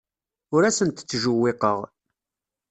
Ur asent-ttjewwiqeɣ.